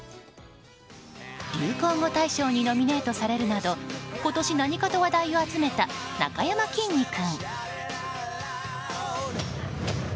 流行語大賞にノミネートされるなど今年何かと話題を集めたなかやまきんに君。